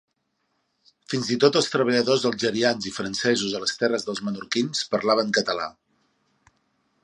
Fins i tot els treballadors algerians i francesos a les terres dels menorquins parlaven català.